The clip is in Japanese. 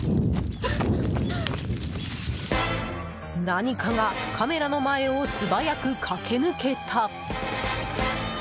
何かがカメラの前を素早く駆け抜けた！